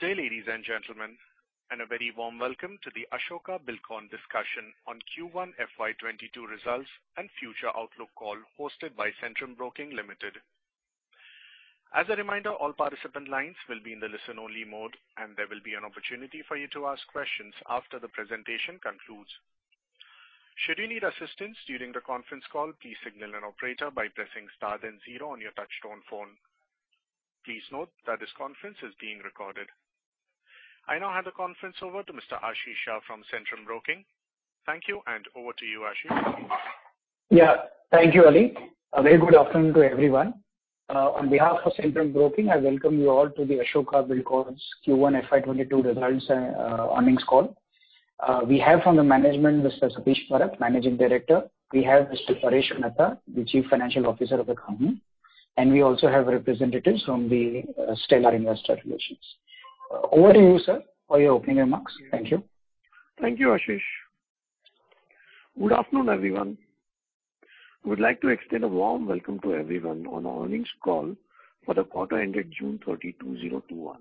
Good day, ladies and gentlemen, and a very warm welcome to the Ashoka Buildcon discussion on Q1 FY22 results and future outlook call hosted by Centrum Broking Limited. As a reminder, all participant lines will be in the listen-only mode, and there will be an opportunity for you to ask questions after the presentation concludes. Should you need assistance during the conference call, please signal an operator by pressing star then zero on your touchtone phone. Please note that this conference is being recorded. I now hand the conference over to Mr. Ashish Shah from Centrum Broking. Thank you, and over to you, Ashish. Yeah. Thank you, Ali. A very good afternoon to everyone. On behalf of Centrum Broking, I welcome you all to the Ashoka Buildcon's Q1 FY22 results, earnings call. We have from the management, Mr. Satish Parakh, Managing Director. We have Mr. Paresh Mehta, the Chief Financial Officer of the company, and we also have representatives from the, Stellar Investor Relations. Over to you, sir, for your opening remarks. Thank you. Thank you, Ashish. Good afternoon, everyone. We'd like to extend a warm welcome to everyone on our earnings call for the quarter ending June 30, 2021.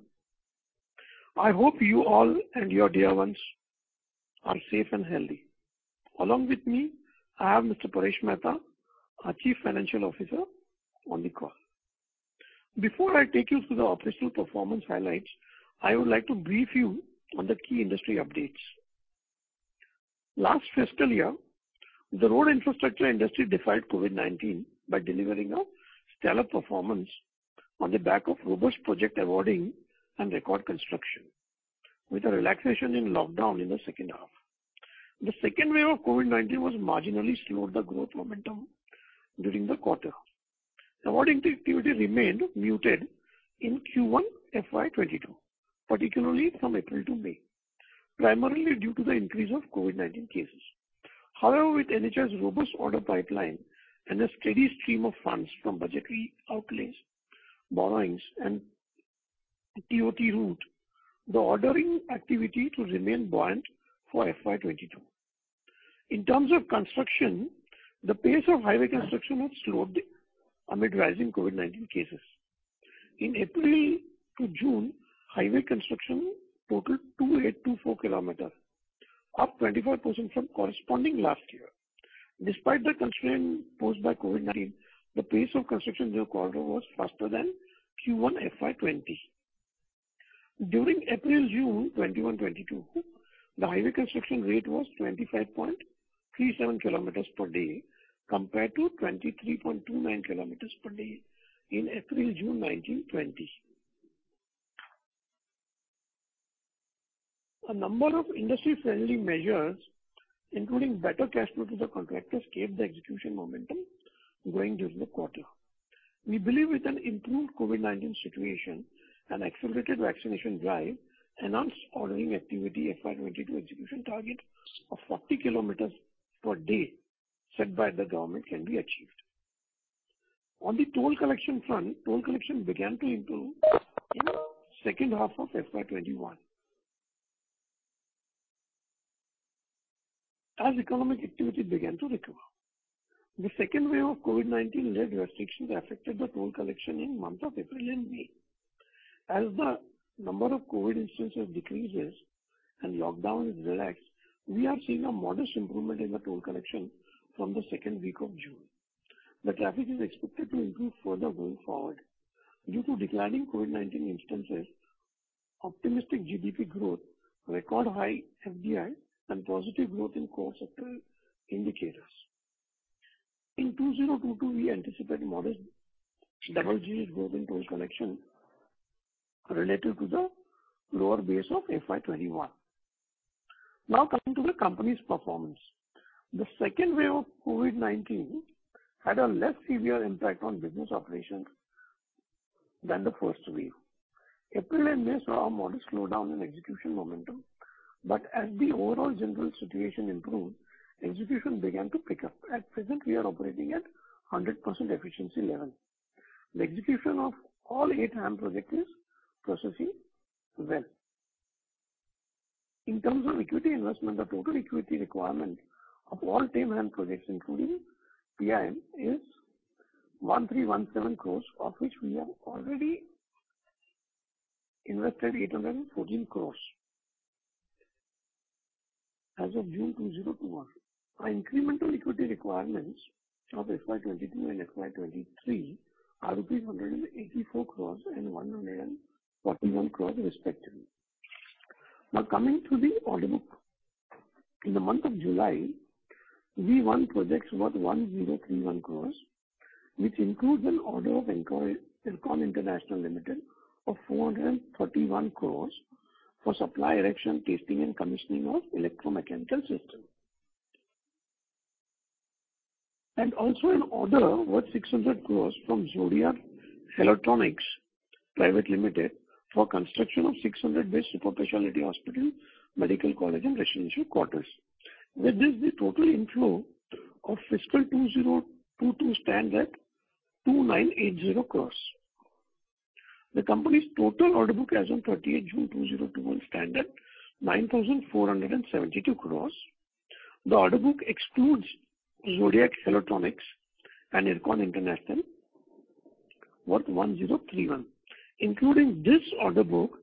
I hope you all and your dear ones are safe and healthy. Along with me, I have Mr. Paresh Mehta, our Chief Financial Officer, on the call. Before I take you through the official performance highlights, I would like to brief you on the key industry updates. Last fiscal year, the road infrastructure industry defied COVID-19 by delivering a stellar performance on the back of robust project awarding and record construction, with a relaxation in lockdown in the second half. The second wave of COVID-19 was marginally slowed the growth momentum during the quarter. Awarding activity remained muted in Q1 FY22, particularly from April to May, primarily due to the increase of COVID-19 cases. However, with NHAI's robust order pipeline and a steady stream of funds from budgetary outlays, borrowings, and the TOT route, the ordering activity to remain buoyant for FY 2022. In terms of construction, the pace of highway construction was slowed amid rising COVID-19 cases. In April-June, highway construction totaled 2,824 km, up 25% from corresponding last year. Despite the constraint posed by COVID-19, the pace of construction during the quarter was faster than Q1 FY 2020. During April-June 2021-2022, the highway construction rate was 25.37 km per day, compared to 23.29 km per day in April-June 2019-2020. A number of industry-friendly measures, including better cash flow to the contractors, kept the execution momentum going during the quarter. We believe with an improved COVID-19 situation and accelerated vaccination drive, enhanced ordering activity, FY 2022 execution target of 40 km per day set by the government can be achieved. On the toll collection front, toll collection began to improve in second half of FY 2021. As economic activity began to recover, the second wave of COVID-19-led restrictions affected the toll collection in month of April and May. As the number of COVID instances decreases and lockdown is relaxed, we are seeing a modest improvement in the toll collection from the second week of June. The traffic is expected to improve further going forward due to declining COVID-19 instances, optimistic GDP growth, record high FDI, and positive growth in core sector indicators. In 2022, we anticipate modest double-digit growth in toll collection relative to the lower base of FY 2021. Now, coming to the company's performance. The second wave of COVID-19 had a less severe impact on business operations than the first wave. April and May saw a modest slowdown in execution momentum, but as the overall general situation improved, execution began to pick up. At present, we are operating at 100% efficiency level. The execution of all eight HAM projects is progressing well. In terms of equity investment, the total equity requirement of all 10 HAM projects, including PIM, is 1,317 crores, of which we have already invested 814 crores as of June 2021. Our incremental equity requirements of FY 2022 and FY 2023 are rupees 184 crores and 141 crores, respectively. Now, coming to the order book. In the month of July, we won projects worth 1,031 crore, which includes an order of IRCON International Limited of 431 crore for supply, erection, testing, and commissioning of electromechanical system. And also an order worth 600 crore from Zodiac Healotronics Private Limited, for construction of 600-bed super specialty hospital, medical college, and residential quarters. With this, the total inflow of fiscal 2022 stands at 2,980 crore. The company's total order book as on 30 June 2021, stand at 9,472 crore. The order book excludes Zodiac Healotronics and IRCON International, worth 1,031 crore, including this order book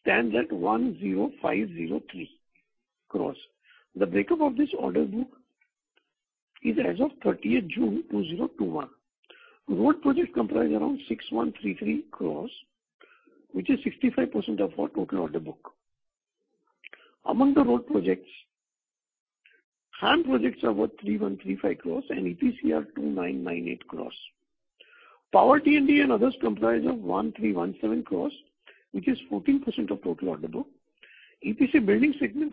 stands at 10,503 crore. The breakup of this order book is as of 30th June 2021. Road project comprise around 6,133 crore, which is 65% of our total order book. Among the road projects, HAM projects are worth 3,135 crore and EPC are 2,998 crore. Power, T&D and others comprise of 1,317 crore, which is 14% of total order book. EPC building segment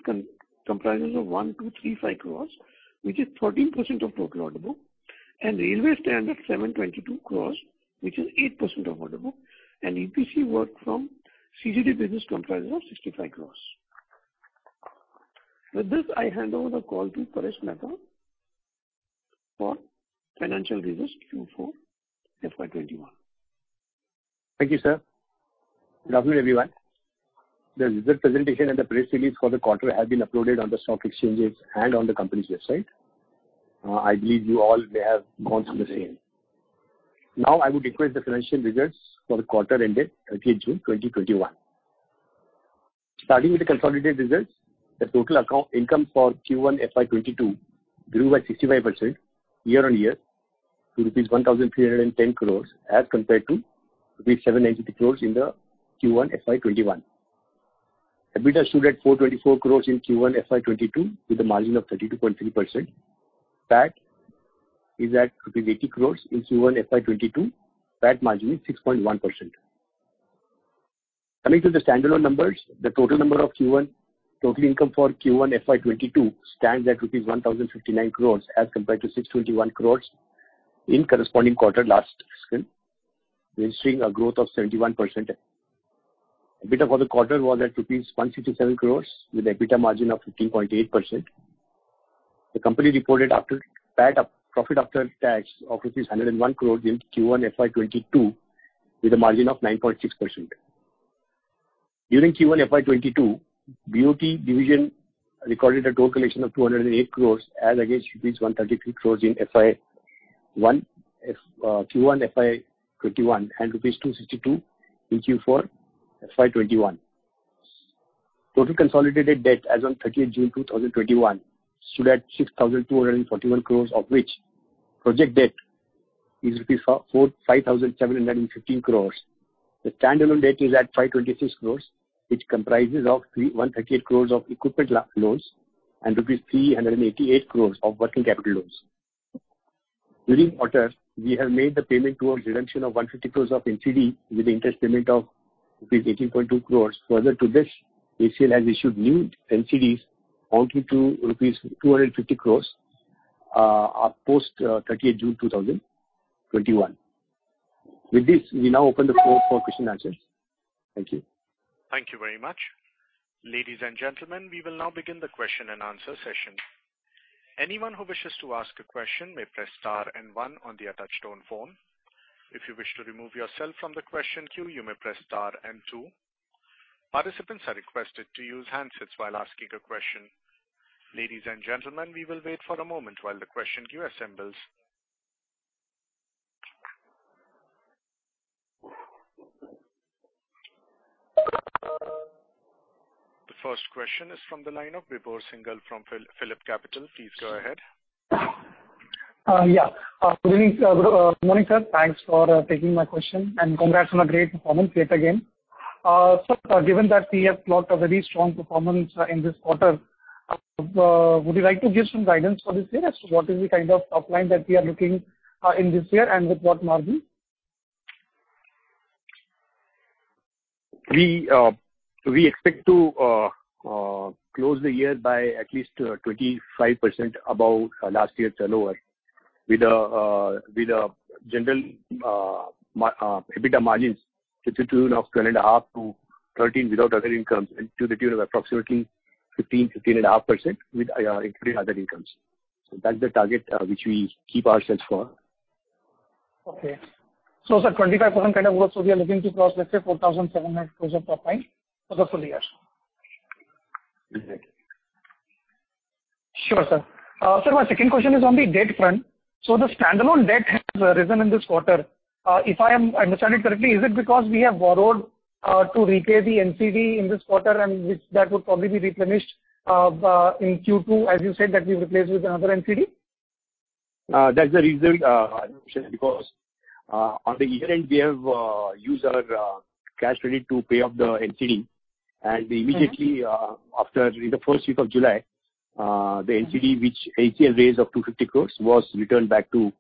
comprises of 1,235 crore, which is 13% of total order book, and railway stand at 722 crore, which is 8% of order book, and EPC work from CGD business comprises of 65 crore. With this, I hand over the call to Paresh Mehta for financial results Q4 FY 2021. Thank you, sir. Good afternoon, everyone. The result presentation and the press release for the quarter have been uploaded on the stock exchanges and on the company's website. I believe you all may have gone through the same. Now, I would request the financial results for the quarter ended 30th June 2021. Starting with the consolidated results, the total account income for Q1 FY 2022 grew by 65% year-on-year to rupees 1,310 crores, as compared to rupees 780 crores in the Q1 FY 2021. EBITDA stood at 424 crores in Q1 FY 2022, with a margin of 32.3%. PAT is at 80 crores in Q1 FY 2022. PAT margin is 6.1%. Coming to the standalone numbers, the total income for Q1 FY 2022 stands at 1,059 crore rupees as compared to 621 crore in corresponding quarter last fiscal, registering a growth of 71%. EBITDA for the quarter was at rupees 167 crore, with EBITDA margin of 15.8%. The company reported after PAT, profit after tax of rupees 101 crore in Q1 FY 2022, with a margin of 9.6%. During Q1 FY 2022, BOT division recorded a total collection of 208 crore as against rupees 132 crore in Q1 FY 2021 and rupees 262 crore in Q4 FY 2021. Total consolidated debt as on 30th June 2021 stood at 6,241 crore, of which project debt is rupees 4,571 crore. The standalone debt is at 526 crore, which comprises of 318 crore of equipment loans and rupees 388 crore of working capital loans. During quarter, we have made the payment towards redemption of 150 crore of NCD, with interest payment of rupees 18.2 crore. Further to this, ACL has issued new NCDs amounting to rupees 250 crore post 30th June 2021. With this, we now open the floor for question answers. Thank you. Thank you very much. Ladies and gentlemen, we will now begin the question-and-answer session. Anyone who wishes to ask a question may press star and one on the attached phone. If you wish to remove yourself from the question queue, you may press star and two. Participants are requested to use handsets while asking a question. Ladies and gentlemen, we will wait for a moment while the question queue assembles. The first question is from the line of Vibhor Singhal from Phillip Capital. Please go ahead. Yeah. Good evening, good morning, sir. Thanks for taking my question, and congrats on a great performance yet again. Given that we have clocked a very strong performance in this quarter, would you like to give some guidance for this year? As to what is the kind of top line that we are looking in this year and with what margin? We expect to close the year by at least 25% above last year's turnover, with general EBITDA margins between of 10.5%-13% without other incomes, and to the tune of approximately 15-15.5% with including other incomes. So that's the target which we keep ourselves for. Okay. So, sir, 25% kind of growth, so we are looking to cross, let's say, 4,700 crore of top line for the full year? Exactly. Sure, sir. Sir, my second question is on the debt front. So the standalone debt has risen in this quarter. If I am understanding correctly, is it because we have borrowed to repay the NCD in this quarter, and which that would probably be replenished in Q2, as you said, that we replace with another NCD? That's the reason, because on the year end, we have used our cash credit to pay off the NCD. And immediately, after in the first week of July, the NCD, which ACL raised of 250 crore, was returned back to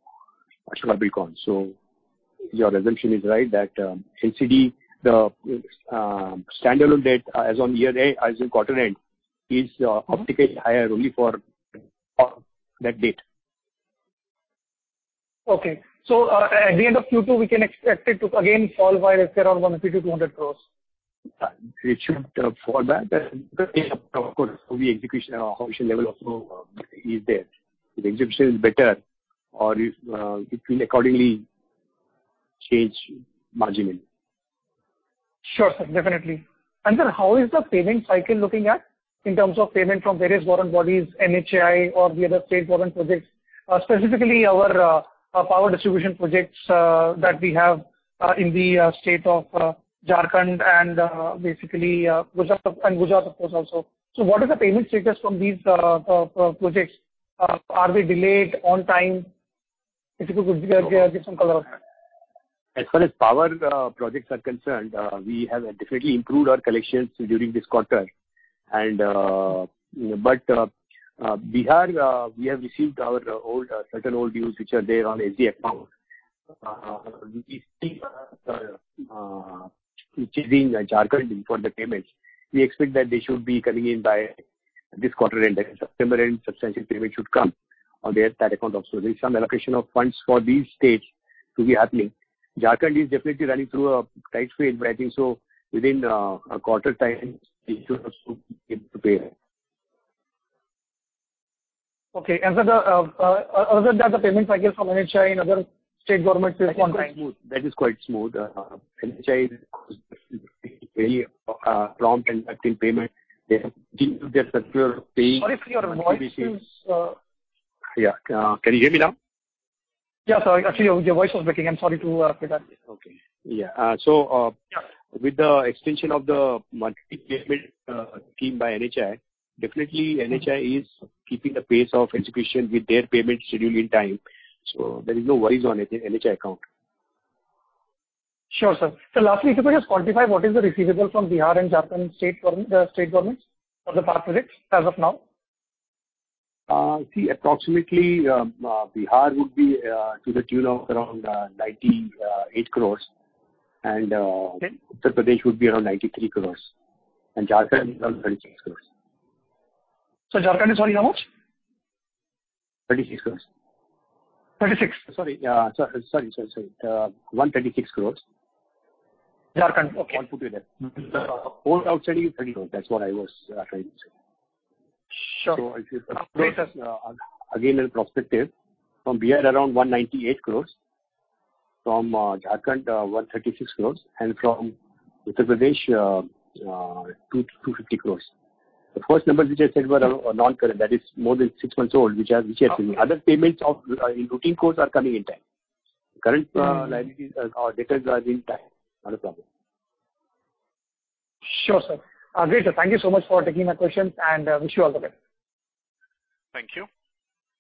Masala Bond. So your assumption is right that NCD, the standalone debt as on year end, as in quarter end, is obviously higher only for that date. Okay. So, at the end of Q2, we can expect it to again fall by, let's say, around 150 crore-200 crore? It should fall back. Then, of course, execution level also is there. If the execution is better or if it will accordingly change marginally. ... Sure, sir, definitely. And then how is the payment cycle looking at in terms of payment from various government bodies, NHAI or the other state government projects? Specifically our power distribution projects that we have in the state of Jharkhand and basically Gujarat, and Gujarat, of course, also. So what is the payment status from these projects? Are they delayed, on time? If you could give some color. As far as power projects are concerned, we have definitely improved our collections during this quarter. But Bihar, we have received certain old dues, which are there on AGF Power. We think, which is in Jharkhand, for the payments. We expect that they should be coming in by this quarter end, September end. Substantial payment should come on that account also. There's some allocation of funds for these states to be happening. Jharkhand is definitely running through a tight phase, but I think so within a quarter time, they should also get to pay. How is that the payment cycle from NHAI and other state governments is on time? That is quite smooth. That is quite smooth. NHAI is really prompt in making payment. They have improved their circular of paying- Sorry, your voice is... Yeah. Can you hear me now? Yeah, sorry. Actually, your voice was breaking. I'm sorry to say that. Okay. Yeah. So, with the extension of the monthly payment scheme by NHAI, definitely NHAI is keeping the pace of execution with their payment schedule in time, so there is no worries on it, in NHAI account. Sure, sir. So lastly, if you could just quantify what is the receivable from Bihar and Jharkhand state government, state governments for the past projects as of now? See, approximately, Bihar would be to the tune of around 98 crore and- Okay. Uttar Pradesh would be around 93 crore, and Jharkhand around 36 crore. So, Jharkhand is sorry, how much? 36 crores. 36? Sorry, 136 crore. Jharkhand, okay. One put it there. The old outstanding is 30 crore. That's what I was, trying to say. Sure. So if you- Update us. Again, in perspective, from Bihar, around 198 crores, from Jharkhand, 136 crores, and from Uttar Pradesh, 250 crores. The first numbers which I said were non-current, that is more than six months old, which are, which are coming. Other payments of in routine course are coming in time. Current liabilities or debtors are in time, not a problem. Sure, sir. Great, sir. Thank you so much for taking my questions, and wish you all the best. Thank you.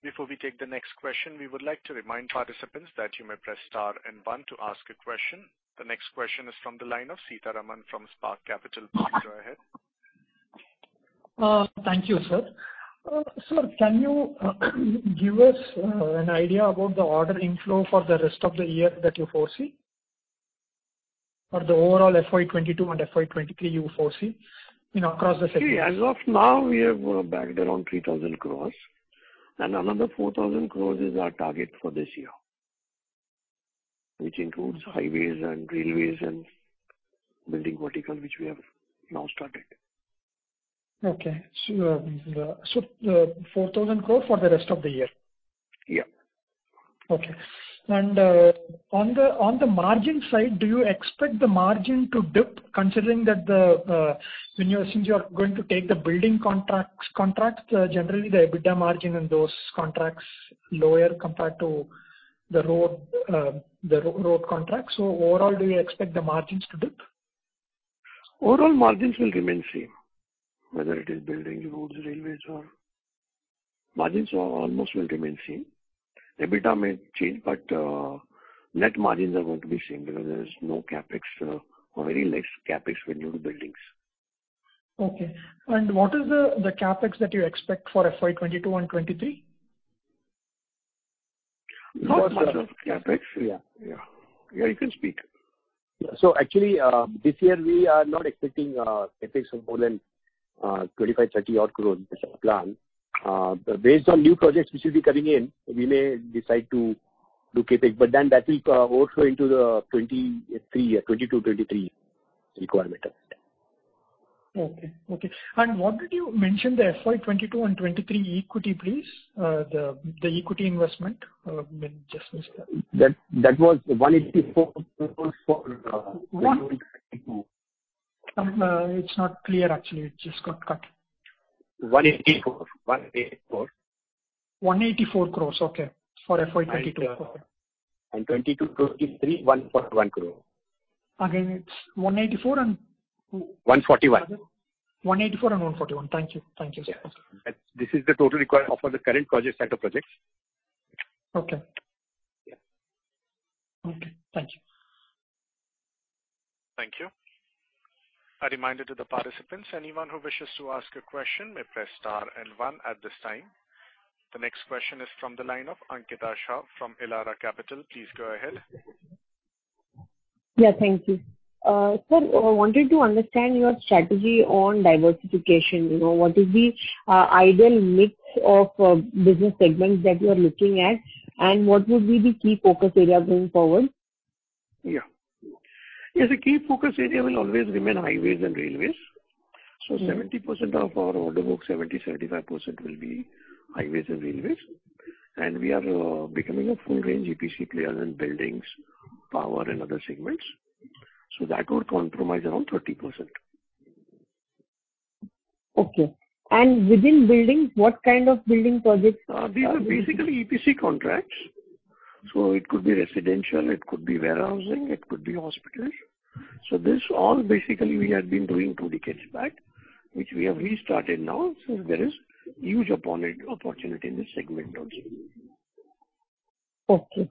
Before we take the next question, we would like to remind participants that you may press star and one to ask a question. The next question is from the line of Seetharaman from Spark Capital. Please go ahead. Thank you, sir. Sir, can you give us an idea about the order inflow for the rest of the year that you foresee? Or the overall FY 2022 and FY 2023 you foresee, you know, across the sector. See, as of now, we have bagged around 3,000 crore, and another 4,000 crore is our target for this year, which includes highways and railways and building vertical, which we have now started. Okay. So, 4,000 crore for the rest of the year? Yeah. Okay. On the margin side, do you expect the margin to dip, considering that since you are going to take the building contracts, generally, the EBITDA margin in those contracts lower compared to the road contracts. So overall, do you expect the margins to dip? Overall, margins will remain same. Whether it is building, roads, railways, or... Margins almost will remain same. EBITDA may change, but net margins are going to be same because there is no CapEx or very less CapEx with new buildings. Okay. What is the CapEx that you expect for FY22 and 23? Not much of CapEx. Yeah. Yeah. Yeah, you can speak. Actually, this year we are not expecting CapEx more than 35, 30-odd crores as our plan. But based on new projects which will be coming in, we may decide to do CapEx, but then that will overflow into the 2023 year, 2022, 2023 requirement of it. Okay, okay. And what did you mention the FY 2022 and 2023 equity, please? The equity investment, you just missed that. That, that was INR 184 crore for 2022. It's not clear actually. It just got cut. 184. 184. INR 184 crore, okay, for FY 2022. 2022-2023, 1.1 crore. Again, it's 184 and? 141. 184 and 141. Thank you. Thank you, sir. Yeah. This is the total requirement for the current projects and the projects. Okay. Yeah. Okay, thank you. Thank you. A reminder to the participants, anyone who wishes to ask a question may press star and one at this time. The next question is from the line of Ankita Shah from Elara Capital. Please go ahead. Yeah, thank you. Sir, I wanted to understand your strategy on diversification. You know, what is the ideal mix of business segments that you are looking at, and what would be the key focus area going forward? Yeah. Yes, the key focus area will always remain highways and railways. So 70% of our order book, 70%-75% will be highways and railways, and we are becoming a full range EPC players in buildings, power and other segments. So that would compromise around 30%. Okay. Within buildings, what kind of building projects are- These are basically EPC contracts. It could be residential, it could be warehousing, it could be hospitals. This all basically we had been doing two decades back, which we have restarted now, so there is huge opportunity, opportunity in this segment also. Okay.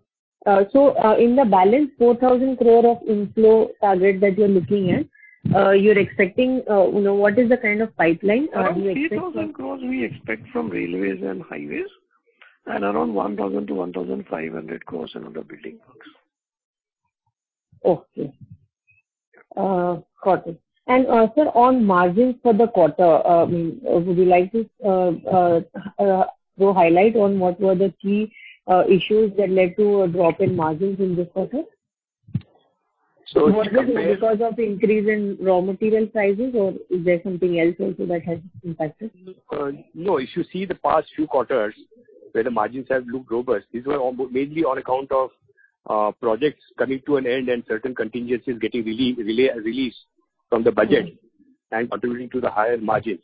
So, in the balance, 4,000 crore of inflow target that you're looking at, you're expecting, you know, what is the kind of pipeline you expect? Around 3,000 crore we expect from railways and highways, and around 1,000 crore-1,500 crore in other building works. Okay. Got it. And, sir, on margins for the quarter, would you like to so highlight on what were the key issues that led to a drop in margins in this quarter? So- Because of the increase in raw material prices, or is there something else also that has impacted? No. If you see the past few quarters where the margins have looked robust, these were on, mainly on account of, projects coming to an end and certain contingencies getting released from the budget and contributing to the higher margins.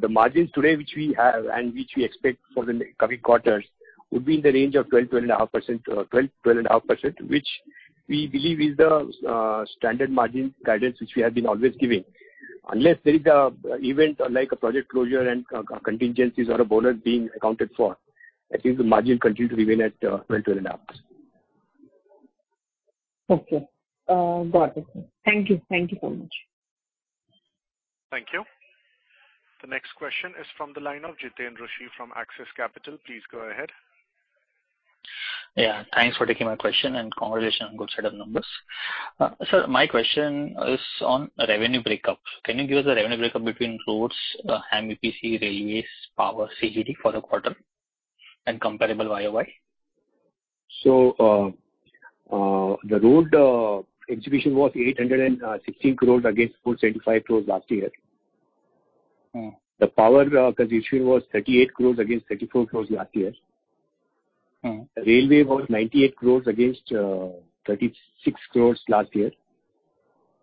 The margins today, which we have and which we expect for the coming quarters, would be in the range of 12%-12.5%, 12%-12.5%, which we believe is the standard margin guidance, which we have been always giving. Unless there is a event like a project closure and contingencies or a bonus being accounted for, I think the margin continues to remain at 12%-12.5%. Okay. Got it. Thank you. Thank you so much. Thank you. The next question is from the line of Jiten Rushi from Axis Capital. Please go ahead. Yeah, thanks for taking my question and congratulations on good set of numbers. Sir, my question is on revenue breakups. Can you give us the revenue breakup between roads, and EPC, railways, power, CGD for the quarter and comparable YoY? The road execution was 816 crores against 475 crores last year. Mm-hmm. The power execution was 38 crore against 34 crore last year. Mm-hmm. Railway was 98 crore against 36 crore last year.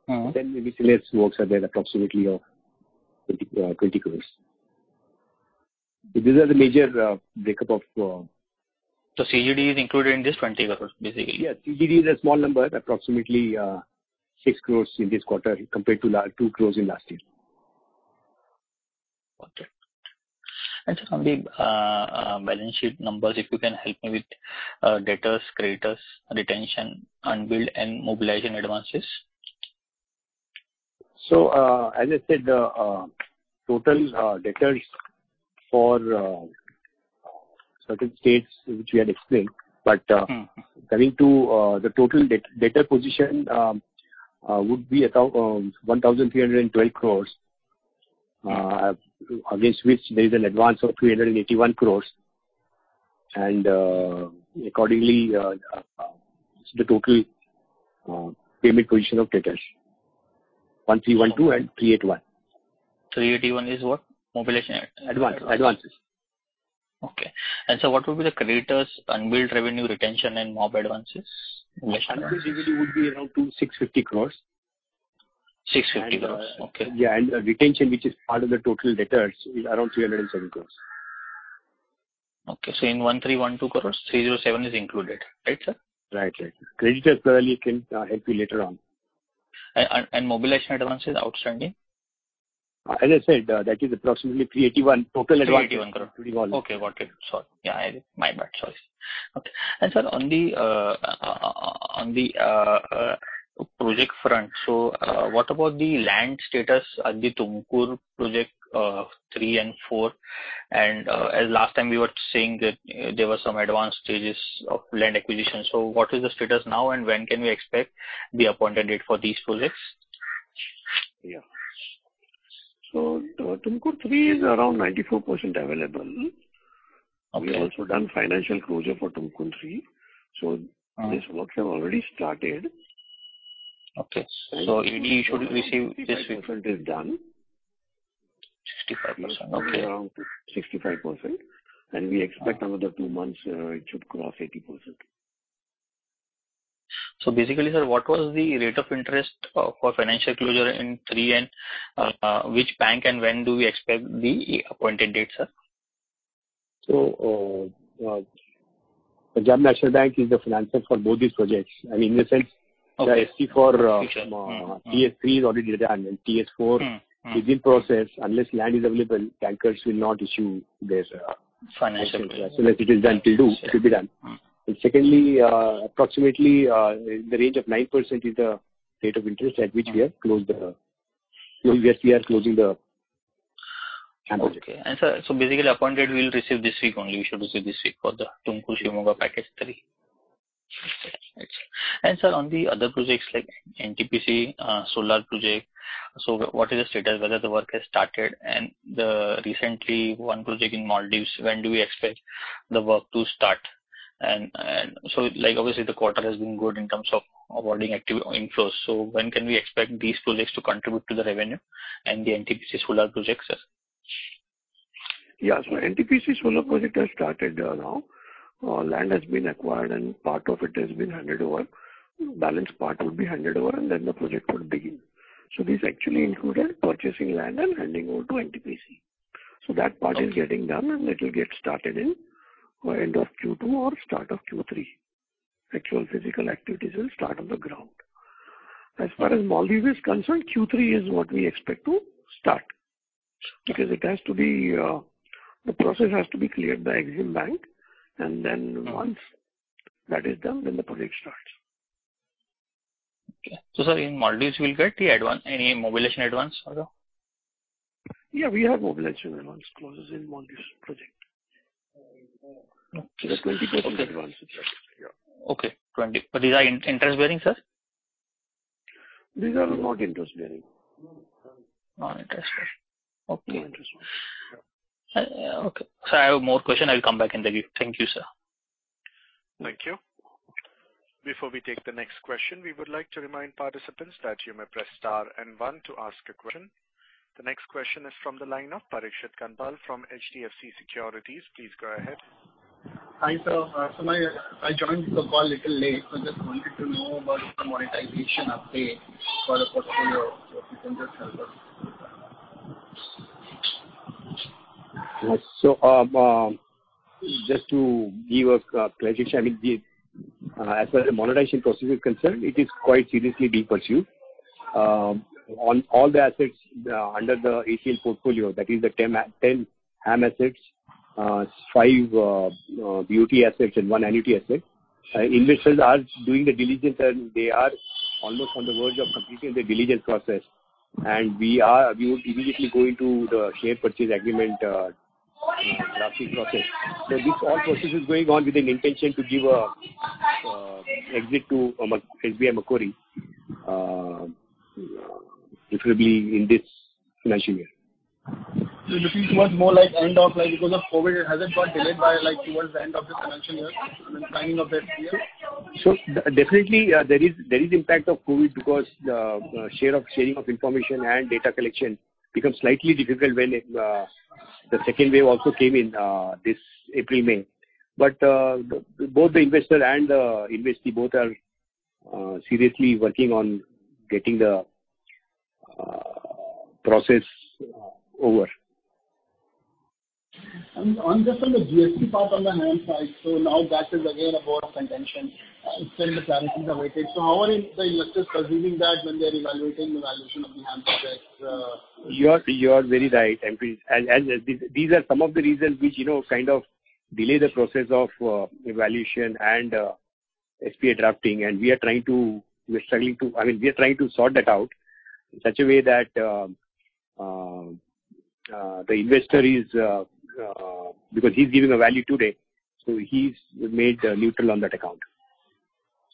Mm-hmm. Then maybe miscellaneous works are there, approximately 20 crore. These are the major breakup of- CGD is included in this 20 crore, basically? Yes, CGD is a small number, approximately 6 crore in this quarter, compared to 2 crore in last year. Okay. And sir, on the balance sheet numbers, if you can help me with debtors, creditors, retention, unbilled and mobilization advances. So, as I said, total debtors for certain states, which we had explained, but- Mm-hmm. Coming to the total debtor position, would be around 1,312 crore, against which there is an advance of 381 crore. And accordingly, the total payment position of debtors, 1,312 crore and 381 crore. 381 is what? Mobilization- Advance. Advances. Okay. What would be the creditors, unbilled revenue, retention and mobilization advances? Creditors usually would be around INR 2,650 crores. 650 crore, okay. Yeah, and the retention, which is part of the total debtors, is around 307 crore. Okay, so in 1,312 crores, 307 is included. Right, sir? Right, right. Creditors currently can help you later on. Mobilization advance is outstanding? As I said, that is approximately 381, total advance. INR 381 crore. Total. Okay, got it. Sorry. Yeah, my bad. Sorry. Okay. And sir, on the project front, so what about the land status at the Tumakuru Project 3 and 4? And as last time we were saying that there were some advanced stages of land acquisition. So what is the status now, and when can we expect the appointed date for these projects? Yeah. So, Tumakuru 3 is around 94% available. Okay. We also done financial closure for Tumkur 3. So- Mm. These works have already started. Okay. So we should receive this- This infant is done. 65%, okay. Around 65%, and we expect another two months, it should cross 80%. So basically, sir, what was the rate of interest for financial closure in three, and which bank and when do we expect the appointed date, sir? Punjab National Bank is the financier for both these projects. I mean, in the sense- Okay. The SP for, Sure. Mm-hmm. TS 3 is already done, and TS 4- Mm-hmm, mm-hmm. - is in process. Unless land is available, bankers will not issue this, Financial. As soon as it is done, it will be done. Mm-hmm. Secondly, approximately, the range of 9% is the rate of interest at which we have closed the... We are closing the accounts. Okay. Sir, so basically, appointed, we will receive this week only. We should receive this week for the Tumakuru Shivamogga Package 3. Right. Sir, on the other projects like NTPC solar project, what is the status, whether the work has started and the recently one project in Maldives, when do we expect the work to start? And so like obviously the quarter has been good in terms of awarding active inflows. So when can we expect these projects to contribute to the revenue and the NTPC solar projects, sir? Yeah. So NTPC solar project has started now. Land has been acquired and part of it has been handed over. Balance part would be handed over, and then the project would begin. So this actually included purchasing land and handing over to NTPC. So that part is getting done, and it will get started in end of Q2 or start of Q3. Actual physical activities will start on the ground. As far as Maldives is concerned, Q3 is what we expect to start, because it has to be, the process has to be cleared by Exim Bank, and then once that is done, then the project starts. Okay. So sir, in Maldives, we'll get the advance, any mobilization advance also? Yeah, we have mobilization advance clauses in Maldives project. Okay. 20% advance, yeah. Okay, 20. But these are interest-bearing, sir? These are not interest-bearing. Non-interest bearing. Okay. No interest. Okay. Sir, I have more question. I'll come back and tell you. Thank you, sir. Thank you. Before we take the next question, we would like to remind participants that you may press star and one to ask a question. The next question is from the line of Parikshit Kandpal from HDFC Securities. Please go ahead. Hi, sir. So my, I joined the call a little late, so just wanted to know about the monetization update for the portfolio, so if you can just help us? Yes. So, just to give a clarification, I mean, the, as far as the monetization process is concerned, it is quite seriously being pursued. On all the assets under the ACL portfolio, that is the 10 HAM assets, five BOT assets and one annuity asset. Investors are doing the diligence, and they are almost on the verge of completing the diligence process. We will immediately go into the share purchase agreement drafting process. So this all process is going on with an intention to give a exit to SBI Macquarie, preferably in this financial year. So this is much more like end of like because of COVID, it hasn't got delayed by like towards the end of the financial year and the timing of the SPA? So definitely, there is impact of COVID because the sharing of information and data collection becomes slightly difficult when the second wave also came in this April, May. But both the investor and the investee are seriously working on getting the process over. And on just on the GST part, on the HAM side, so now that is again a bone of contention. Still the clarity is awaited. So how are the investors perceiving that when they are evaluating the valuation of the HAM projects? You are very right, and these are some of the reasons which, you know, kind of delay the process of evaluation and SPA drafting. And we are trying to sort that out in such a way that the investor is, because he's giving a value today, so he's made neutral on that account.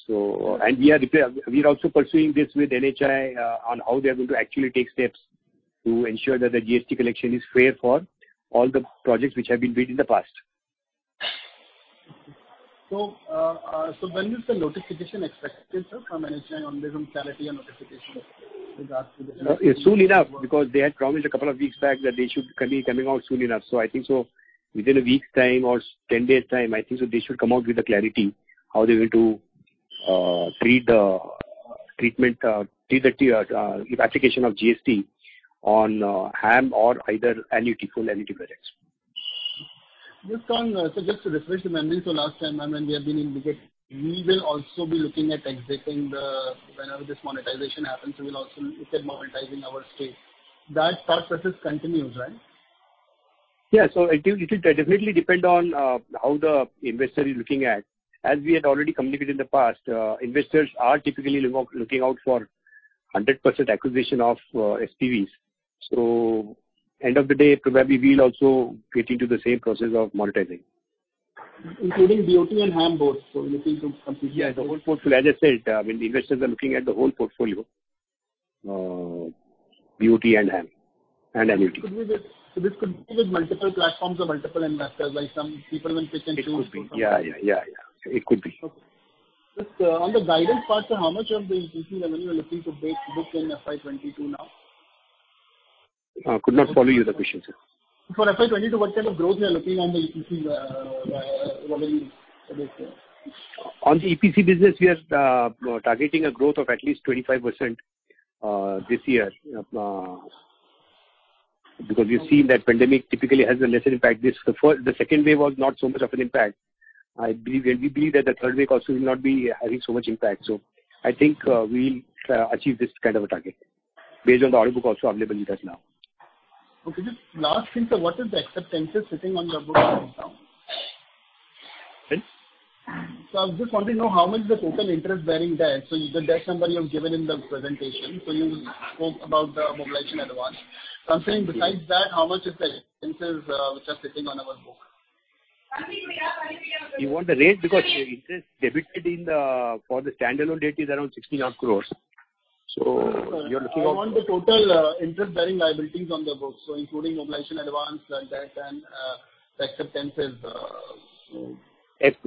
So, we are prepared, we are also pursuing this with NHAI on how they are going to actually take steps to ensure that the GST collection is fair for all the projects which have been bid in the past. So, when is the notification expected, sir, from NHAI on this clarity and notification with regards to the- Soon enough, because they had promised a couple of weeks back that they should coming, coming out soon enough. So I think so within a week's time or 10 days' time, I think so they should come out with the clarity, how they're going to treat the treatment, treat the application of GST on HAM or either annuity, full annuity projects. Just on, so just to refresh the memory, so last time, ma'am, when we have been in budget, we will also be looking at exiting the, whenever this monetization happens, we will also look at monetizing our stake. That thought process continues, right? Yeah. So it will, it will definitely depend on how the investor is looking at. As we had already communicated in the past, investors are typically looking out for 100% acquisition of SPVs. So end of the day, probably we'll also get into the same process of monetizing. Including BOT and HAM, both, so looking to completely- Yeah, the whole portfolio. As I said, when the investors are looking at the whole portfolio, BOT and HAM and annuity. Could be this, so this could be with multiple platforms or multiple investors, like some people will pick and choose- It could be. Yeah, yeah, yeah, yeah, it could be. Okay. Just, on the guidance part, so how much of the EPC revenue you're looking to break, book in FY 22 now? Could not follow your question, sir. For FY 2022, what kind of growth you are looking on the EPC, revenue this year? On the EPC business, we are targeting a growth of at least 25% this year. Because we've seen that pandemic typically has a lesser impact. The first, the second wave was not so much of an impact. I believe, and we believe that the third wave also will not be having so much impact. So I think we'll achieve this kind of a target based on the order book also available with us now. Okay. Just last thing, sir, what is the acceptances sitting on your book right now? Sorry? So I was just wanting to know how much the total interest-bearing debt, so the debt number you have given in the presentation. So you spoke about the mobilization advance. Concerning besides that, how much is the expenses which are sitting on our books? You want the rate? Because interest debited for the standalone debt is around 1,600,000 crore. So you're looking at- I want the total interest-bearing liabilities on the books, so including Mobilization Advance, debt and the acceptances.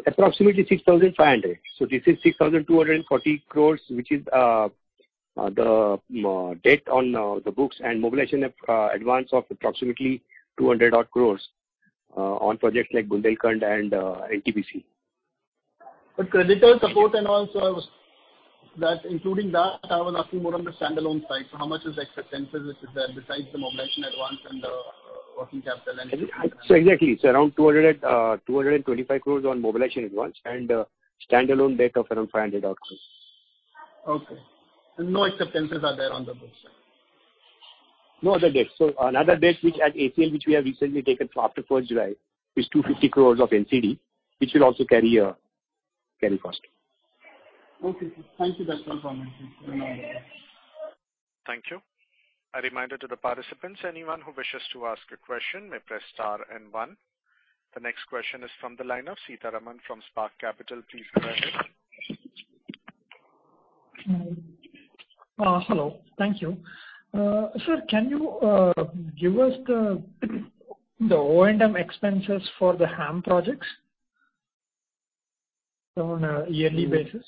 Approximately 6,500. So this is 6,240 crores, which is the debt on the books and mobilization advance of approximately 200 odd crores on projects like Bundelkhand and NTPC. But creditor support and all, so that including that, I was asking more on the standalone side. So how much is the acceptances which is there besides the Mobilization Advance and working capital and- So exactly, it's around 225 crore on Mobilization Advance and standalone debt of around 500 odd crore. Okay. So no acceptances are there on the books? No other debts. So another debt which at ACL, which we have recently taken after first July, is 250 crore of NCD, which will also carry a carry cost. Okay, sir. Thank you that confirmation. Thank you. A reminder to the participants, anyone who wishes to ask a question may press star and one. The next question is from the line of Seetharaman from Spark Capital. Please go ahead. Hello. Thank you. Sir, can you give us the O&M expenses for the HAM projects on a yearly basis?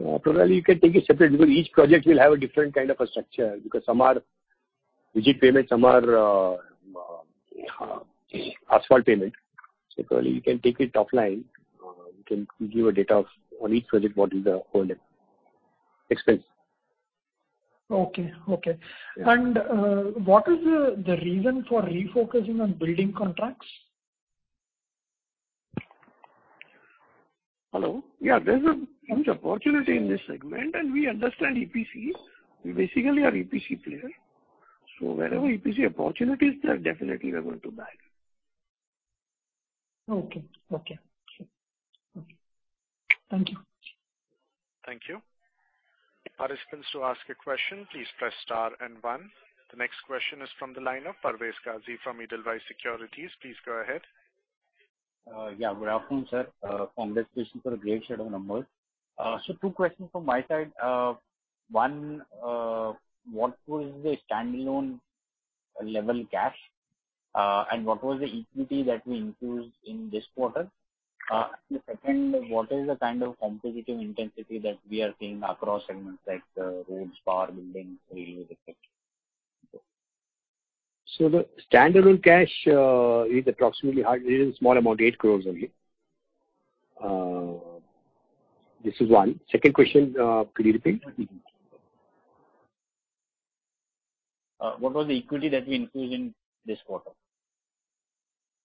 Probably you can take it separate, because each project will have a different kind of a structure, because some are rigid payment, some are asphalt payment. So probably you can take it offline. We can give you data on each project, what is the O&M expense. Okay, okay. Yeah. What is the reason for refocusing on building contracts? Hello? Yeah, there is a huge opportunity in this segment, and we understand EPC. We basically are EPC player. So wherever EPC opportunity is there, definitely we are going to buy. Okay. Okay. Sure. Okay. Thank you. Thank you. Participants who ask a question, please press star and one. The next question is from the line of Parvez Qazi from Edelweiss Securities. Please go ahead. Yeah, good afternoon, sir. Congratulations for a great set of numbers. So two questions from my side. One, what was the standalone level cash and what was the equity that we included in this quarter? The second, what is the kind of competitive intensity that we are seeing across segments like the roads, power, building, railway, et cetera? So the standalone cash is approximately a small amount, 8 crore only. This is one. Second question, could you repeat? What was the equity that we included in this quarter?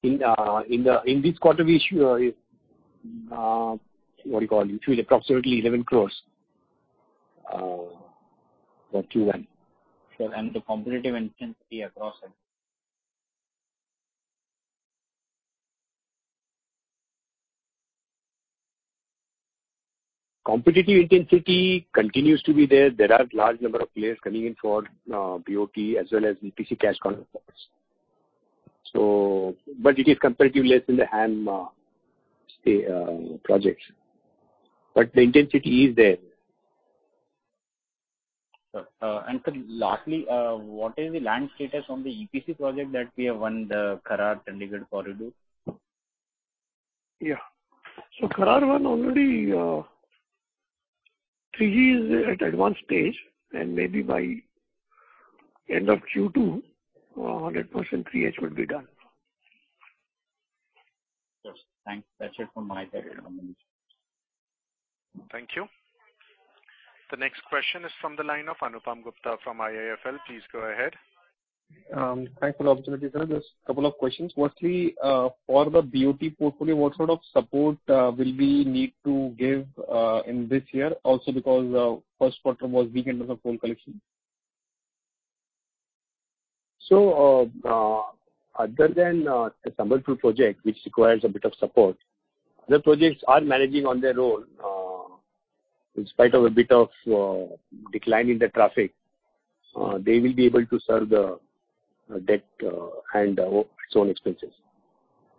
In this quarter, we issue, what you call, issued approximately 11 crore for Q1. Sure. And the competitive intensity across them? Competitive intensity continues to be there. There are large number of players coming in for BOT as well as EPC cash counterparts. But it is comparatively less in the HAM, say, projects, but the intensity is there. And sir, lastly, what is the land status on the EPC project that we have won, the Kharar-Ludhiana corridor? Yeah. So Kharar 1 already, 3G is at advanced stage, and maybe by end of Q2, 100% 3H will be done. Yes. Thanks. That's it from my side. Thank you. The next question is from the line of Anupam Gupta from IIFL. Please go ahead. Thanks for the opportunity, sir. Just a couple of questions. Firstly, for the BOT portfolio, what sort of support will we need to give in this year? Also, because first quarter was weak in terms of toll collection. Other than the Sambalpur project, which requires a bit of support, the projects are managing on their own. In spite of a bit of decline in the traffic, they will be able to serve the debt and its own expenses.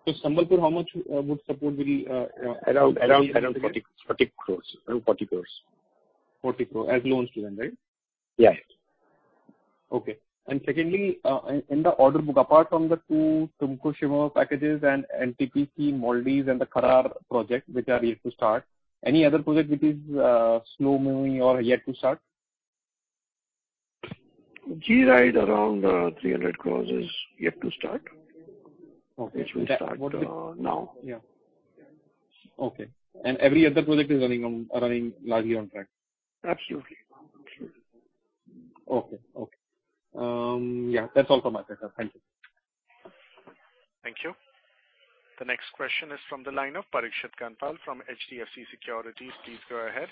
So Sambalpur, how much would support will, Around 40 crore. Around 40 crore. 40 crore, as loans given, right? Yes. Okay. Secondly, in the order book, apart from the two Tumakuru-Shivamogga packages and NTPC Maldives and the Kharar project, which are yet to start, any other project which is slow-moving or yet to start? G-RIDE, around 300 crore, is yet to start. Okay. Which will start, now. Yeah. Okay. And every other project is running on, running largely on track? Absolutely. Absolutely. Okay. Okay. Yeah, that's all from my side, sir. Thank you. Thank you. The next question is from the line of Parikshit Kandpal from HDFC Securities. Please go ahead.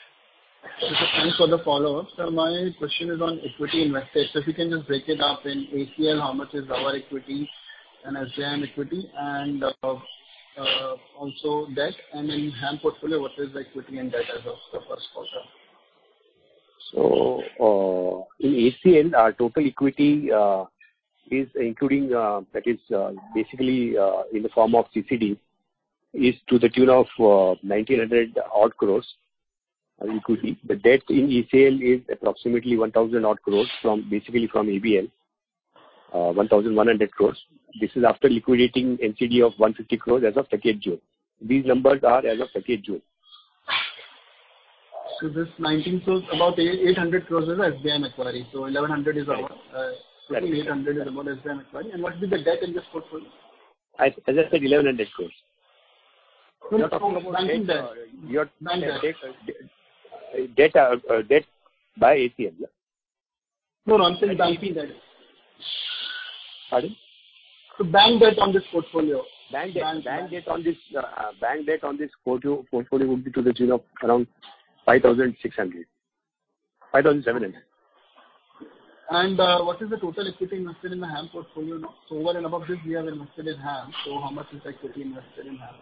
Thanks for the follow-up. My question is on equity investment. If you can just break it up in ACL, how much is our equity and SBI Macquarie equity and also debt, and in HAM portfolio, what is the equity and debt as of the first quarter? So, in ACL, our total equity is including, that is, basically in the form of CCD is to the tune of 1,900 odd crores. Including the debt in ACL is approximately 1,000 odd crores from basically from ABL, 1,100 crores. This is after liquidating NCD of 150 crores as of June. These numbers are as of June. So this 1,900, so about 800 crore is SPV annuity. So 1,100 is about 800 crore is about SPV annuity. And what is the debt in this portfolio? As I said, 1,100 crore. Bank debt. Debt, debt by ACL. No, no, I'm saying by ACL. Pardon? Bank debt on this portfolio. Bank debt on this portfolio would be to the tune of around 5,600 crore-5,700 crore. What is the total equity invested in the HAM portfolio now? Over and above this, we have invested in HAM, so how much is equity invested in HAM?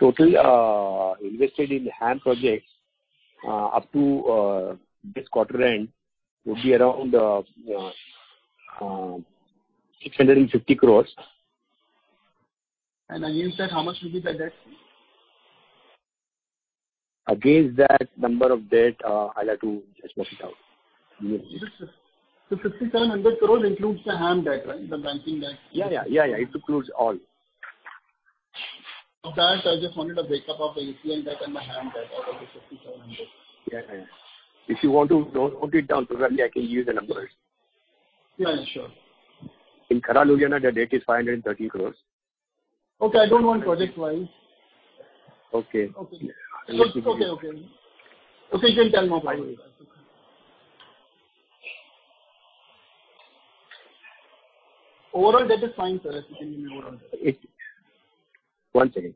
Total invested in HAM projects up to 650 crore. Against that, how much will be the debt? Against that number of debt, I'll have to just work it out. So 5,700 crore includes the HAM debt, right? The banking debt. Yeah, yeah. Yeah, yeah, it includes all. Of that, I just wanted a breakup of the ACL debt and the HAM debt out of the 5,700. Yeah, yeah. If you want to note it down correctly, I can give you the numbers. Yeah, sure. In Kharagpur, the debt is 530 crore. Okay, I don't want project-wise. Okay. Okay, you can tell more about that. Overall debt is fine, sir, if you can give me overall debt? One second.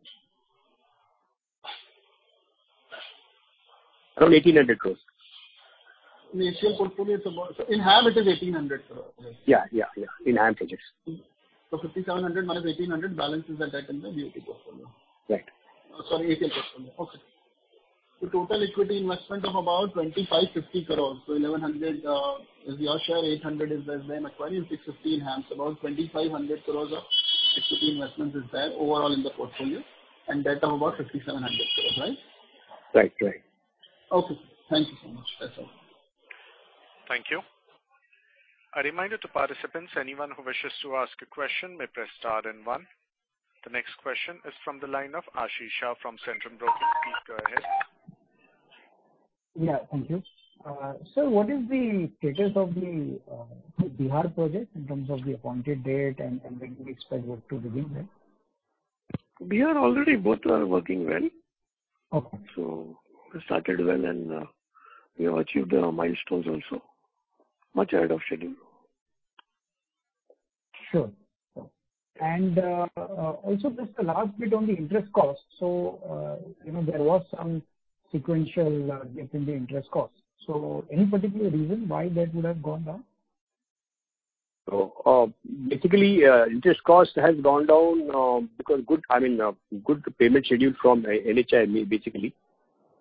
Around 1,800 crore. In the ACL portfolio, it's about... In HAM, it is 1,800 crore. Yeah, yeah, yeah. In HAM projects. 5,700 - 1,800, balance is the debt in the BOT portfolio. Right. Sorry, ACL portfolio. Okay. The total equity investment of about 2,550 crore. So 1,100 is your share, 800 is the Macquarie, you take 1,500, about 2,500 crore of equity investment is there overall in the portfolio, and debt of about 5,700 crore, right? Right, right. Okay, thank you so much. That's all. Thank you. A reminder to participants, anyone who wishes to ask a question, may press star then one. The next question is from the line of Ashish Shah from Centrum Broking. Please go ahead. Yeah, thank you. So what is the status of the Bihar project in terms of the appointed date and when we expect it to begin then? Bihar, already both are working well. Okay. So started well, and, we have achieved the milestones also, much ahead of schedule. Sure. And also just the last bit on the interest cost. So, you know, there was some sequential dip in the interest cost. So any particular reason why that would have gone down? So, basically, interest cost has gone down, because good, I mean, good payment schedule from NHAI, basically.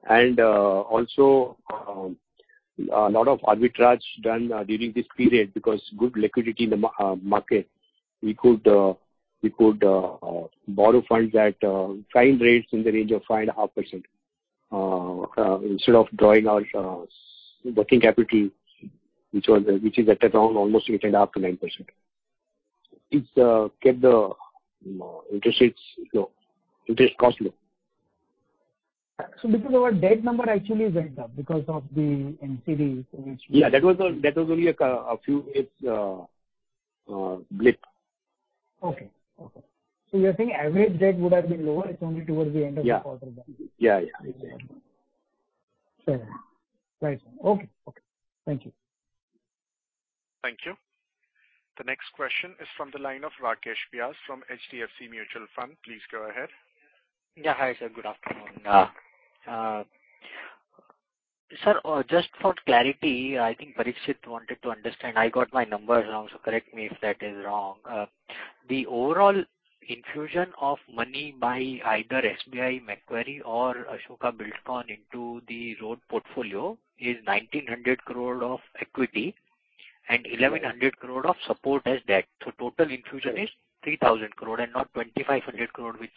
And, also, a lot of arbitrage done, during this period, because good liquidity in the market. We could borrow funds at fine rates in the range of 5.5%, instead of drawing our working capital, which is at around almost 8.5%-9%. It's kept the interest rates low, interest cost low. So because our debt number actually went up because of the NCD, which- Yeah, that was only a few. It's a blip. Okay, okay. So you're saying average debt would have been lower if only towards the end of the quarter? Yeah. Yeah, yeah. Sure. Right. Okay. Okay. Thank you. Thank you. The next question is from the line of Rakesh Vyas from HDFC Mutual Fund. Please go ahead. Yeah. Hi, sir. Good afternoon. Just for clarity, I think Parikshit wanted to understand. I got my numbers wrong, so correct me if that is wrong. The overall infusion of money by either SBI, Macquarie, or Ashoka Buildcon into the road portfolio is 1,900 crore of equity and 1,100 crore of support as debt. So total infusion is 3,000 crore and not 2,500 crore, which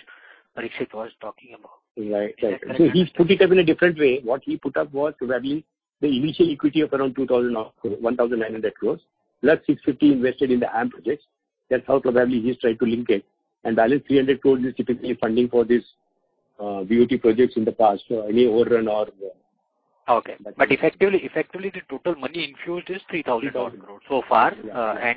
Parikshit was talking about. Right. Right. So he's put it up in a different way. What he put up was probably the initial equity of around 2,000 crores or 1,900 crores, plus 650 crores invested in the HAM projects. That's how probably he's tried to link it, and balance 300 crores is typically funding for this BOT projects in the past. So any overrun or Okay, but effectively, the total money infused is 3,000-odd crore so far. Yeah.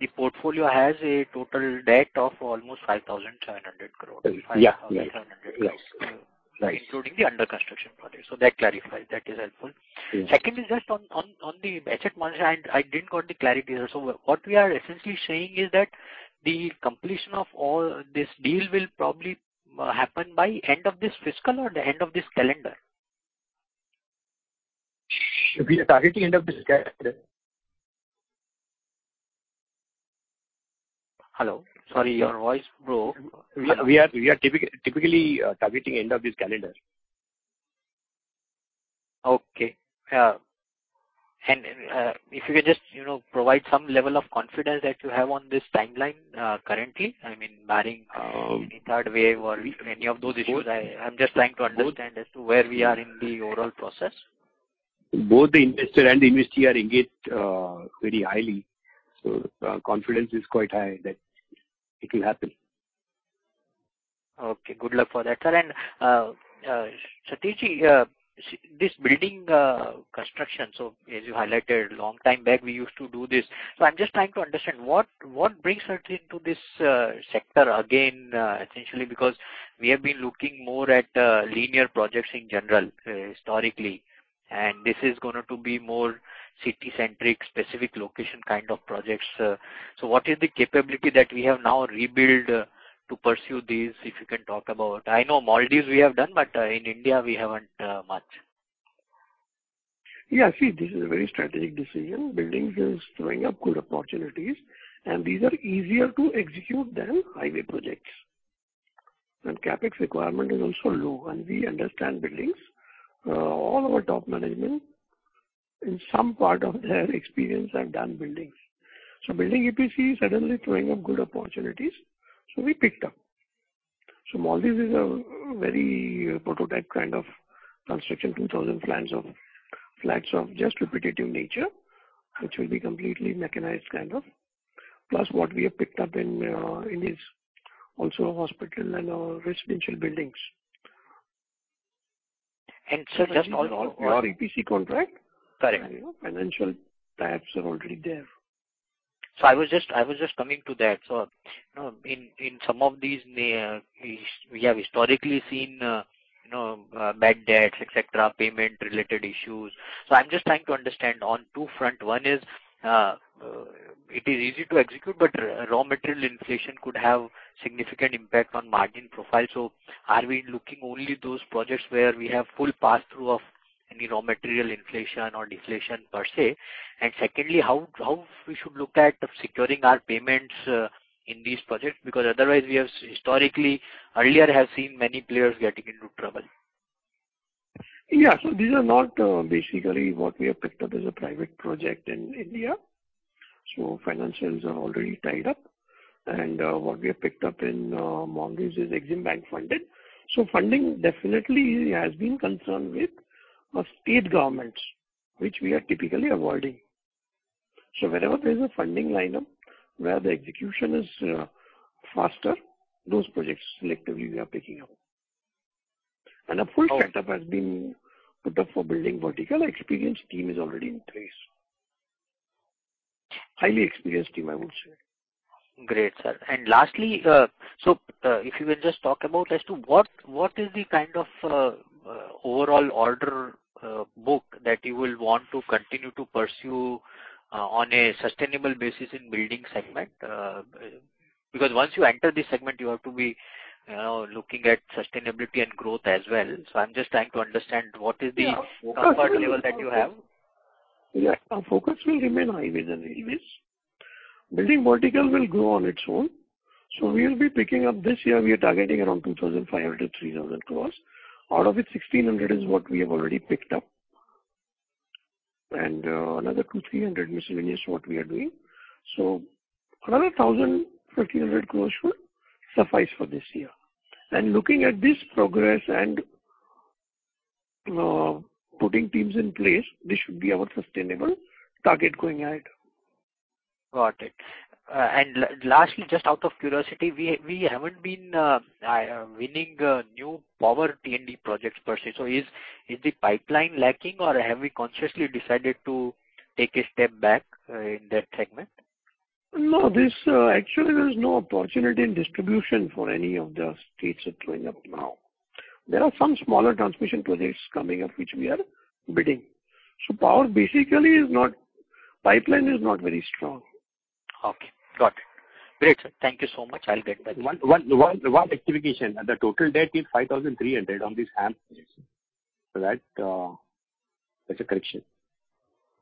The portfolio has a total debt of almost 5,700 crore. Yeah, yeah. INR 5,700 crore. Yes. Right. Including the under construction project. So that clarifies, that is helpful. Yes. Second is just on the asset management. I didn't get the clarity there. So what we are essentially saying is that the completion of all this deal will probably happen by end of this fiscal or the end of this calendar? We are targeting end of this calendar. Hello, sorry, your voice broke. We are typically targeting end of this calendar.... Okay. And if you can just, you know, provide some level of confidence that you have on this timeline, currently, I mean, barring any third wave or any of those issues. I'm just trying to understand as to where we are in the overall process. Both the investor and the investee are engaged very highly, so confidence is quite high that it will happen. Okay. Good luck for that, sir. And, Satish, this building construction, so as you highlighted a long time back, we used to do this. So I'm just trying to understand what brings us into this sector again, essentially? Because we have been looking more at linear projects in general, historically, and this is going to be more city-centric, specific location kind of projects. So what is the capability that we have now rebuilt to pursue these? If you can talk about. I know Maldives we have done, but in India we haven't much. Yeah, see, this is a very strategic decision. Buildings is throwing up good opportunities, and these are easier to execute than highway projects. And CapEx requirement is also low, and we understand buildings. All our top management, in some part of their experience, have done buildings. So building EPC is suddenly throwing up good opportunities, so we picked up. So Maldives is a very prototype kind of construction, 2,000 flats of just repetitive nature, which will be completely mechanized, kind of. Plus what we have picked up in India is also a hospital and residential buildings. And so just all- EPC contract. Correct. Financial ties are already there. So I was just, I was just coming to that. So, you know, in some of these, we have historically seen, you know, bad debts, et cetera, payment-related issues. So I'm just trying to understand on two fronts. One is, it is easy to execute, but raw material inflation could have significant impact on margin profile. So are we looking only those projects where we have full passthrough of any raw material inflation or deflation per se? And secondly, how we should look at securing our payments, in these projects? Because otherwise, we have historically, earlier, have seen many players getting into trouble. Yeah. So these are not basically what we have picked up as a private project in India, so financials are already tied up. And what we have picked up in Maldives is Exim Bank funded. So funding definitely has been concerned with state governments, which we are typically avoiding. So wherever there is a funding line-up, where the execution is faster, those projects selectively we are picking up. Oh. A full setup has been put up for building vertical. Experienced team is already in place. Highly experienced team, I would say. Great, sir. Lastly, so, if you will just talk about as to what is the kind of overall order book that you will want to continue to pursue on a sustainable basis in building segment? Because once you enter the segment, you have to be looking at sustainability and growth as well. I'm just trying to understand what is the- Yeah. comfort level that you have? Yeah. Our focus will remain highways and railways. Building vertical will grow on its own, so we will be picking up. This year, we are targeting around 2,500 crore-3,000 crore. Out of it, 1,600 crore is what we have already picked up. And another 200 crore-300 crore miscellaneous, what we are doing. So another 1,000 crore-1,500 crore should suffice for this year. And looking at this progress and putting teams in place, this should be our sustainable target going ahead. Got it. And lastly, just out of curiosity, we haven't been winning new power T&D projects per se. So is the pipeline lacking or have we consciously decided to take a step back in that segment? No, actually, there is no opportunity in distribution for any of the states throwing up now. There are some smaller transmission projects coming up, which we are bidding. So, power basically is not. Pipeline is not very strong. Okay, got it. Great, sir. Thank you so much. I'll take that. One clarification. The total debt is 5,300 on this HAM projects, right? That's a correction.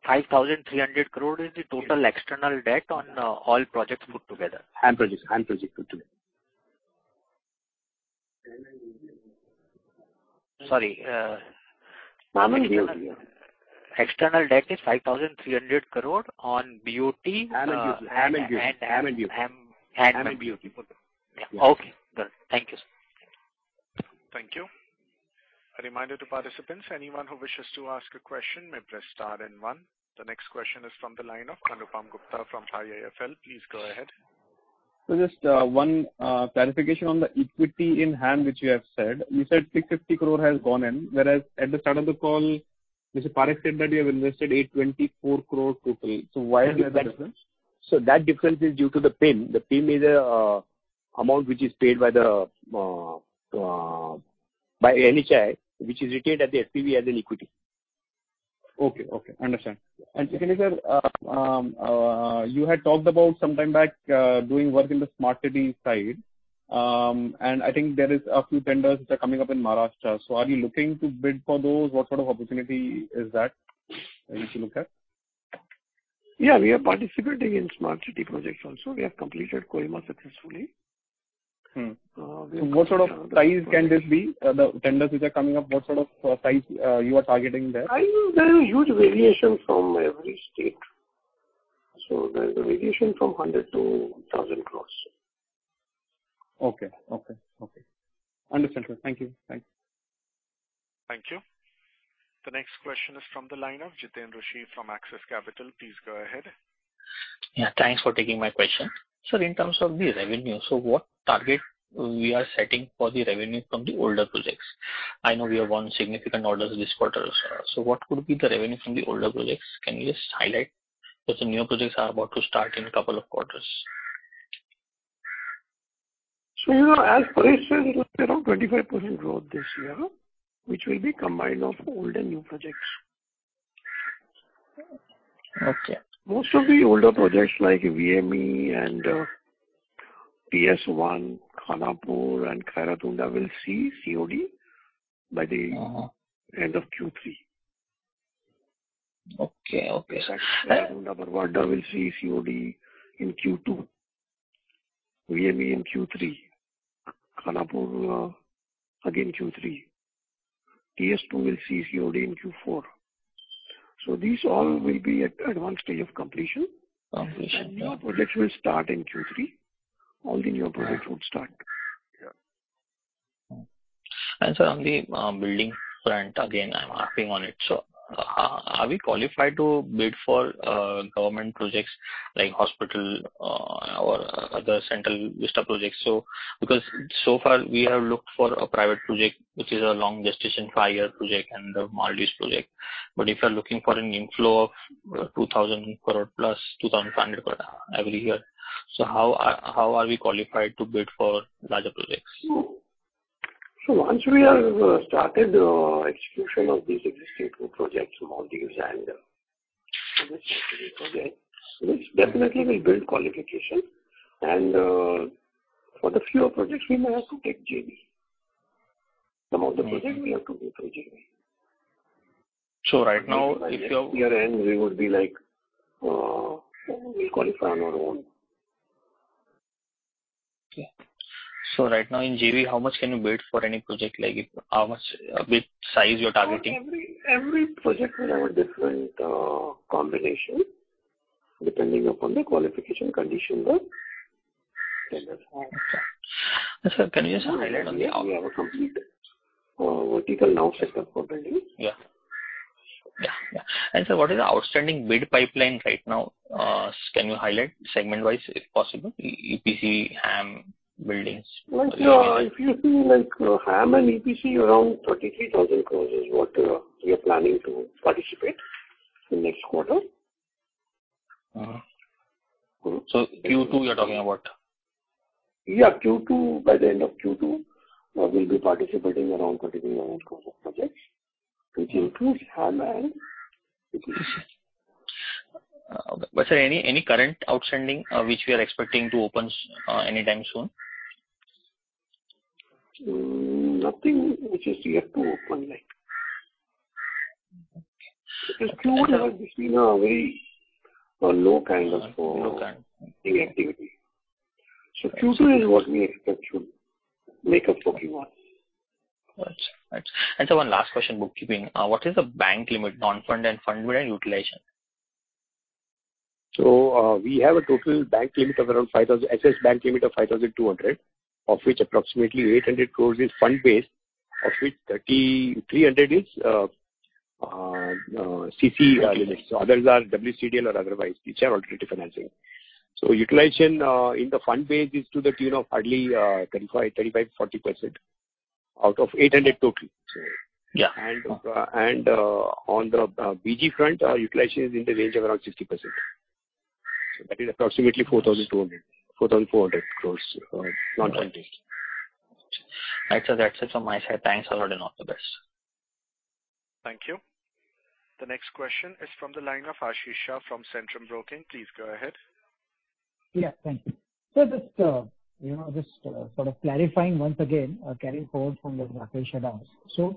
5,300 crore- Yes. -is the total external debt on all projects put together? HAM projects, HAM projects put together. Sorry, HAM and BOT. External debt is 5,300 crore on BOT- HAM and BOT. HAM and BOT. HAM and BOT. HAM and BOT put together. Yeah. Okay, got it. Thank you, sir. Thank you. A reminder to participants, anyone who wishes to ask a question may press star then one. The next question is from the line of Anupam Gupta from IIFL. Please go ahead. So just one clarification on the equity in HAM, which you have said. You said 650 crore has gone in, whereas at the start of the call, Mr. Parakh said that you have invested 824 crore total. So why is there a difference? So that difference is due to the PIM. The PIM is amount which is paid by NHAI, which is retained at the SPV as an equity. Okay, okay, understand. And secondly, sir, you had talked about some time back doing work in the smart city side. And I think there is a few tenders which are coming up in Maharashtra. So are you looking to bid for those? What sort of opportunity is that to look at? Yeah, we are participating in Smart City projects also. We have completed Kohima successfully. So what sort of size can this be? The tenders which are coming up, what sort of size you are targeting there? I think there is a huge variation from every state. There is a variation from 100 crore-1,000 crore. Okay. Okay, okay. Understood, sir. Thank you. Bye. Thank you. The next question is from the line of Jiten Rushi from Axis Capital. Please go ahead. Yeah, thanks for taking my question. Sir, in terms of the revenue, so what target we are setting for the revenue from the older projects? I know we have won significant orders this quarter. So what could be the revenue from the older projects? Can you just highlight, because the new projects are about to start in a couple of quarters? You know, as per I said, it was around 25% growth this year, which will be combined of old and new projects. Okay. Most of the older projects like VME and PS-One, Khanapur, and Khairatunda will see COD by the- Uh-huh. end of Q3. Okay, okay, sir. Khairatunda-Barwa Adda will see COD in Q2, VME in Q3, Khanapur, again, Q3. TS-II will see COD in Q4. So these all will be at advanced stage of completion. Completion, yeah. Projects will start in Q3. All the new projects would start. Yeah. Sir, on the building front, again, I'm asking on it. So, are we qualified to bid for government projects like hospital or other Central Vista projects? Because so far we have looked for a private project, which is a long gestation, five-year project and the Maldives project. But if you are looking for an inflow of 2,000 crore-2,500 crore every year, so how are, how are we qualified to bid for larger projects? So once we have started execution of these existing two projects, Maldives and this definitely will build qualification. For the fewer projects, we may also take JV. Some of the projects we have to go through JV. So right now, if you have- Next year end, we would be like, we'll qualify on our own. Okay. So right now in JV, how much can you bid for any project? Like, how much bid size you're targeting? Every project will have a different combination, depending upon the qualification condition the tenders have. Sir, can you just highlight on the- We have a complete vertical now set up for building. Yeah. Yeah, yeah. And sir, what is the outstanding bid pipeline right now? Can you highlight segment-wise, if possible, EPC, HAM, buildings? Once, if you see, like, HAM and EPC, around 33,000 crore is what we are planning to participate in next quarter. Uh-huh. So Q2, we are talking about? Yeah, Q2. By the end of Q2, we'll be participating around INR 39,000 crore of projects. So Q2 is HAM and EPC. But sir, any current outstanding, which we are expecting to open, anytime soon? Nothing which is yet to open, like... Because Q1 has been a very low tender for- Low tender. Any activity. So Q2 is what we expect to make up for Q1. Got you. Right. And sir, one last question, bookkeeping. What is the bank limit, non-fund and fund limit and utilization? We have a total bank limit of around 5,000 crore. Axis Bank limit of 5,200 crore, of which approximately 800 crore is fund-based, of which 3,300 crore is CC limits. Okay. Others are WCDL or otherwise, which are alternative financing. So utilization in the fund base is to the tune of hardly 35%-40% out of 800 total. Yeah. On the BG front, our utilization is in the range of around 60%. So that is approximately 4,200 crores-4,400 crores, non-fund-based. Right, sir. That's it from my side. Thanks a lot, and all the best. Thank you. The next question is from the line of Ashish Shah from Centrum Broking. Please go ahead. Yeah, thank you. So just, you know, just, sort of clarifying once again, carrying forward from the Rakesh Shah. So,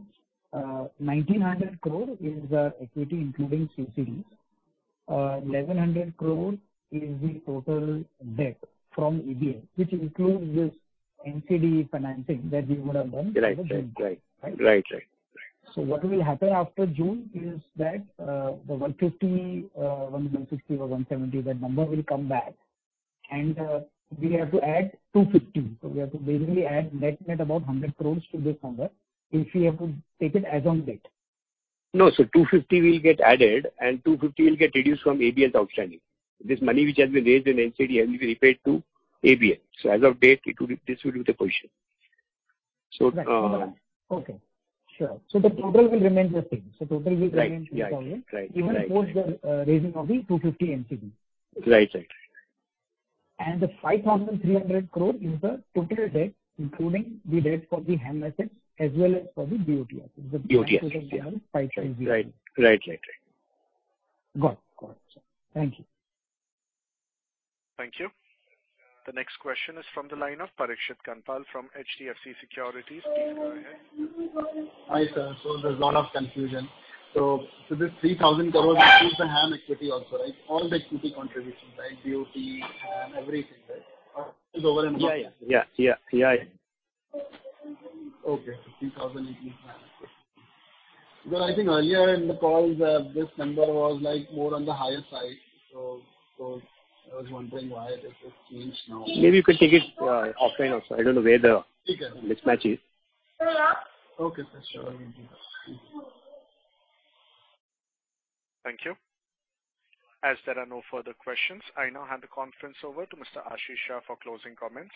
1,900 crore is the equity, including CCD. 1,100 crore is the total debt from ABL, which includes this NCD financing that we would have done- Right, right. Right, right. So what will happen after June is that, the 150, 160 or 170, that number will come back, and we have to add 250. So we have to basically add net about 100 crore to this number, if we have to take it as on date. No, so 250 will get added, and 250 will get reduced from ABL's outstanding. This money which has been raised in NCD has been repaid to ABL. So as of date, it will be—this will be the position. So, Okay, sure. So the total will remain the same. So total will remain the same. Right. Right. Right. Even post the raising of the 250 NCD. Right, right, right. The 5,300 crore is the total debt, including the debt for the HAM assets as well as for the BOT. BOT, yeah. [inaudible] Right. Right, right, right. Got it. Got it, sir. Thank you. Thank you. The next question is from the line of Parikshit Kandpal from HDFC Securities. Please go ahead. Hi, sir. So there's a lot of confusion. So, this 3,000 crore includes the HAM equity also, right? All the equity contributions, right, BOT, HAM, everything, right, is over and above. Yeah, yeah, yeah. Yeah. Okay, 3,000 in HAM. But I think earlier in the call, this number was, like, more on the higher side. So, I was wondering why this has changed now. Maybe you could take it offline also. I don't know where the- Okay. -mismatch is. Okay, sir. Sure. Thank you. As there are no further questions, I now hand the conference over to Mr. Ashish Shah for closing comments.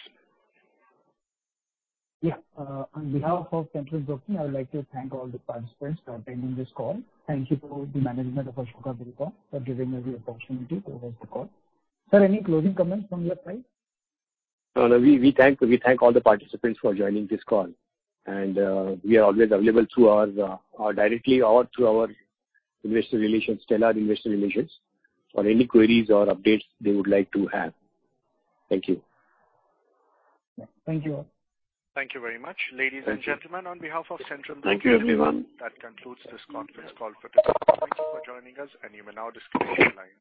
Yeah, on behalf of Centrum Broking, I would like to thank all the participants for attending this call. Thank you to the management of Ashoka Buildcon for giving us the opportunity to host the call. Sir, any closing comments from your side? We thank all the participants for joining this call, and we are always available through our or directly or through our Investor Relations, Stellar Investor Relations, for any queries or updates they would like to have. Thank you. Thank you all. Thank you very much. Ladies and gentlemen, on behalf of Centrum- Thank you, everyone. That concludes this conference call for today. Thank you for joining us, and you may now disconnect your lines.